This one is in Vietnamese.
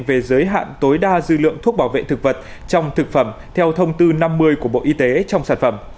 về giới hạn tối đa dư lượng thuốc bảo vệ thực vật trong thực phẩm theo thông tư năm mươi của bộ y tế trong sản phẩm